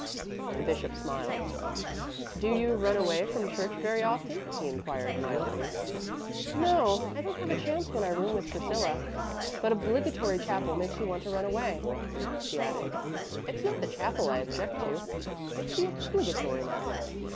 The bishop smiled. "Do you run away from church very often?" he inquired mildly. "No; I don't have a chance when I room with Priscilla. But obligatory chapel makes you want to run away," she added. "It's not the chapel I object to; it's the obligatoriness."